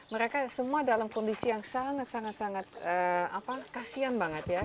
mereka semua dalam kondisi yang sangat sangat kasian banget ya